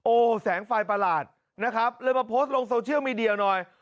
โอ้โหแสงไฟประหลาดนะครับเลยมาโพสต์ลงโซเชียลมีเดียหน่อย